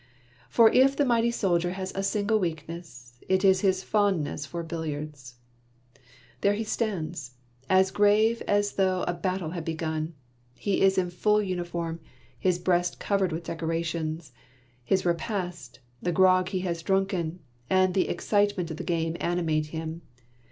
For if the mighty soldier has a single weakness, it is his fondness for billiards. There he stands, as grave as though a battle had begun ; he is in full uniform, his breast covered with decorations ; his repast, the grog he has drunken, and the excite ment of the game animate him.